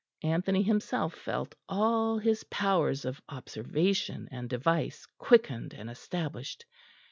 Anthony himself felt all his powers of observation and device quickened and established.